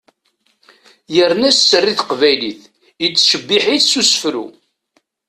Yerna sser i teqbaylit, ittcebbiḥ-itt s usefru.